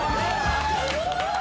すごい！